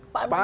pak amin rais